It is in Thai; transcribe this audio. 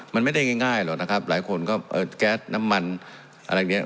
มันไม่ได้ง่ายหรอกนะครับหลายคนก็แก๊สน้ำมันอะไรเนี่ย